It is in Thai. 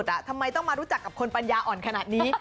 แต่ทำไมต้องมารู้จักกับคนปัญญาอ่อนขนาดนี้